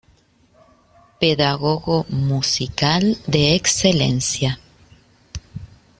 Pedagogo musical de excelencia.